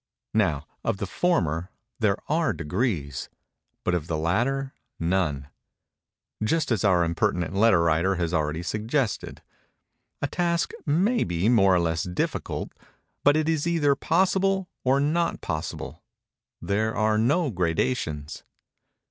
Now of the former, there are degrees—but of the latter, none:—just as our impertinent letter writer has already suggested. A task may be more or less difficult; but it is either possible or not possible:—there are no gradations.